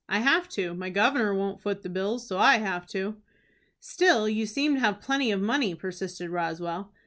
"I have to. My governor won't foot the bills, so I have to." "Still you seem to have plenty of money," persisted Roswell.